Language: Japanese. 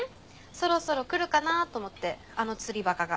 そろそろ来るかなと思ってあの釣りバカが。